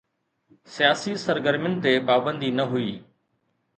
سياسي سرگرمين تي پابندي نه هئي.